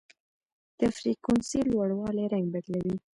د فریکونسۍ لوړوالی رنګ بدلوي.